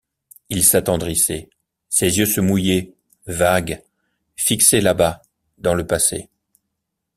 Il s’attendrissait, ses yeux se mouillaient, vagues, fixés là-bas, dans le passé.